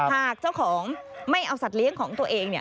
หากเจ้าของไม่เอาสัตว์เลี้ยงของตัวเอง